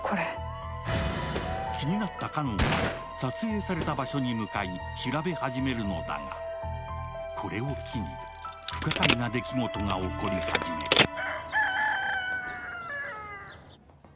気になった奏音は撮影された場所に向かい、調べ始めるのだが、これを機に不可解な出来事が起こり始める。